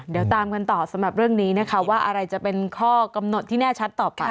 เดี๋ยวตามกันต่อสำหรับเรื่องนี้นะคะว่าอะไรจะเป็นข้อกำหนดที่แน่ชัดต่อไป